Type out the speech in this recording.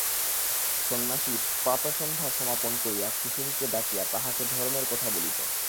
সন্ন্যাসী প্রাতঃসন্ধ্যা সমাপন করিয়া কুসুমকে ডাকিয়া তাহাকে ধর্মের কথা বলিতেন।